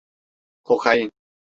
Kokain?